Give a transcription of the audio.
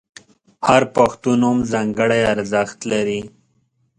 • هر پښتو نوم ځانګړی ارزښت لري.